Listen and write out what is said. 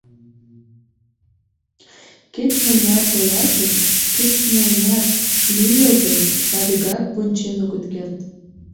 Кеч-мыняр толашышт, кеч-мыняр лӱйылтын, садыгак вончен огыт керт.